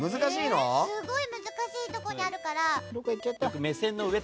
すごい難しいとこにあるから。